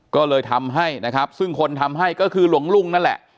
ก็เลยทำให้ซึ่งคนทำให้ก็คือหลวงนั่นแหละ